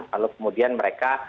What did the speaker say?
lalu kemudian mereka